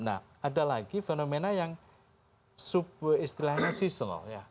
nah ada lagi fenomena yang subistilahnya seasonal